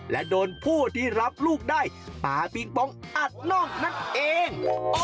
และโดนผู้ที่รับลูกได้ปลาปิงปองอัดนอกนั่นเอง